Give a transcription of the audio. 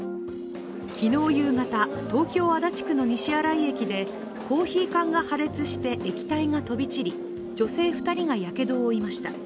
昨日夕方、東京・足立区の西新井駅でコーヒー缶が破裂して液体が飛び散り女性２人がやけどを負いました。